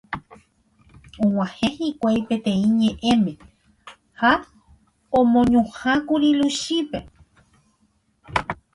Og̃uahẽ hikuái peteĩ ñe'ẽme ha omoñuhãkuri Luchípe.